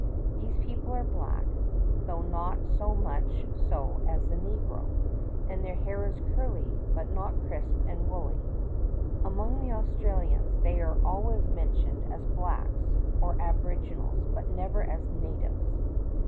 These people are black, though not so much so as the negro, and their hair is curly, but not crisp and woolly. Among the Australians they are always mentioned as "blacks" or "abo riginals," but never as "natives."